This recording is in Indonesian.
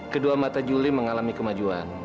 kedua mata juli mengalami kemajuan